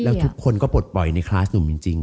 แล้วทุกคนก็ปลดปล่อยในคลาสหนุ่มจริง